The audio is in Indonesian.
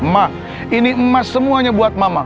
mak ini emas semuanya buat mama